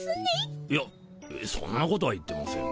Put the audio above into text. いやそんなことは言ってませんが。